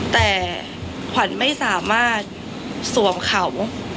แต่ขวัญไม่สามารถสวมเขา